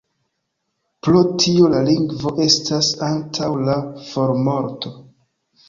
Pro tio la lingvo estas antaŭ la formorto.